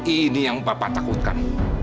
ini yang bapak takutkan